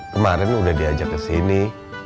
kemarin udah diajak kesini